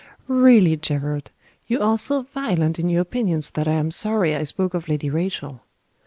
"Really, Gerard, you are so violent in your opinions that I am sorry I spoke of Lady Rachel.